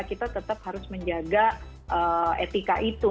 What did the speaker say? kita tetap harus menjaga etika itu